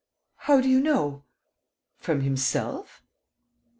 How do you know?" "From himself?"